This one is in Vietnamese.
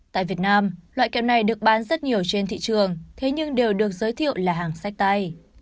tại việt nam loại keo này được bán rất nhiều trên thị trường thế nhưng đều được giới thiệu là hàng sách tay